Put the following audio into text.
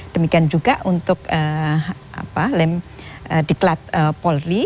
demikian juga untuk lem diklat polri